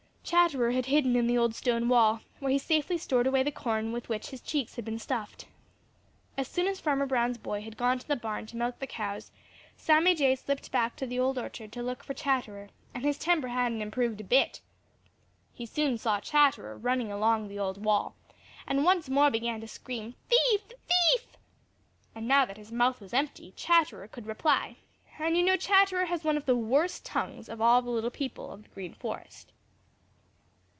Chatterer had hidden in the old stone wall, where he safely stored away the corn with which his cheeks had been stuffed. As soon as Farmer Brown's boy had gone to the barn to milk the cows, Sammy Jay slipped back to the Old Orchard to look for Chatterer, and his temper hadn't improved a bit. He soon saw Chatterer running along the old wall and once more began to scream "Thief! thief!" And now that his mouth was empty, Chatterer could reply, and you know Chatterer has one of the worst tongues of all the little people of the Green Forest.